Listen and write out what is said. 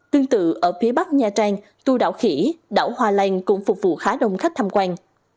tương tự ở phía bắc nha trang tu đạo khỉ đảo hòa lan cũng phục vụ khá đông khách tham quan